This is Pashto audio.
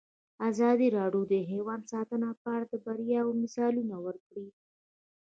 ازادي راډیو د حیوان ساتنه په اړه د بریاوو مثالونه ورکړي.